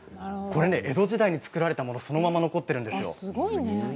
これは江戸時代に作られたものがそのまま残っています。